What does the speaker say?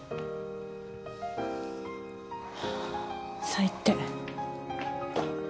最低。